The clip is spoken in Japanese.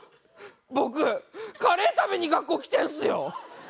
僕カレー食べに学校来てんすよ。